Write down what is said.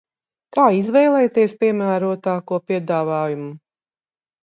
Kā izvēlēties piemērotāko piedāvājumu?